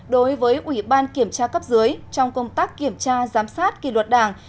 đối với ủy ban kiểm tra cấp dưới trong công tác kiểm tra giám sát kỳ luật đảng